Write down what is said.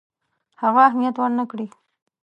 هغه اهمیت ورنه کړي.